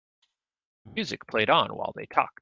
The music played on while they talked.